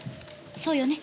そうよね？